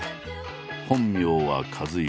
本名は和代。